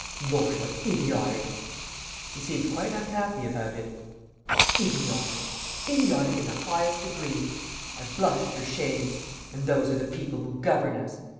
Lord, how idiotic!" He seemed quite unhappy about it: "Idiotic! Idiotic in the highest degree! I blush for shame! ... And those are the people who govern us!